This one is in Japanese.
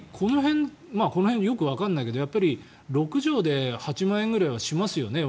この辺よくわからないけど６畳で８万円ぐらいはしますよね